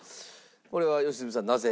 これは良純さんなぜ？